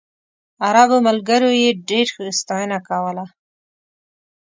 عربو ملګرو یې ډېره ستاینه کوله.